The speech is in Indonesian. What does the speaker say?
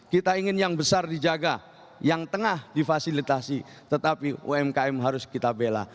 kita ingin yang besar dijaga yang tengah difasilitasi tetapi umkm harus kita bela